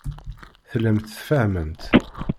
Tellamt tfehhmemt.